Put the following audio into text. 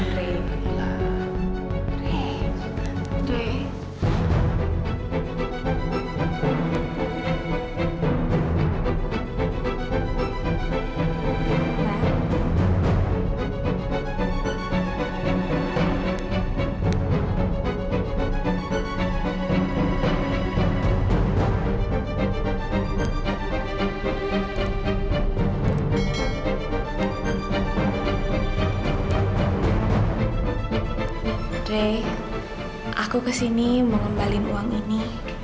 rey aku ke sini yapt buang gadis ini